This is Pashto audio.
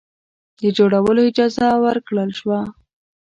د جوړولو اجازه ورکړه شوه.